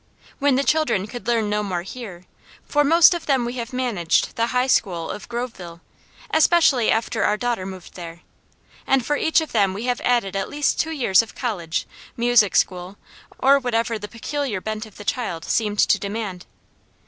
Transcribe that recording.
When the children could learn no more here, for most of them we have managed the high school of Groveville, especially after our daughter moved there, and for each of them we have added at least two years of college, music school, or whatever the peculiar bent of the child seemed to demand.